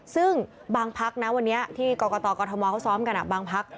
ซึ่งบางพักนะวันนี้ที่กรกตกรทมเขาซ้อมกันบางพัก